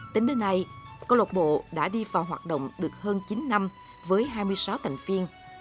tính đến nay câu lọc bộ đã đi vào hoạt động được hơn chín năm với hai mươi sáu thành viên